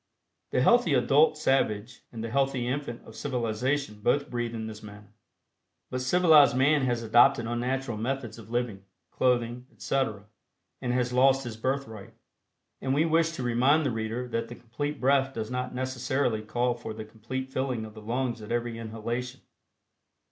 The healthy adult savage and the healthy infant of civilization both breathe in this manner, but civilized man has adopted unnatural methods of living, clothing, etc., and has lost his birthright. And we wish to remind the reader that the Complete Breath does not necessarily call for the complete filling of the lungs at every inhalation.